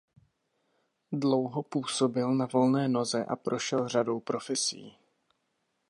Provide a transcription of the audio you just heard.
Dlouho působil na volné noze a prošel řadou profesí.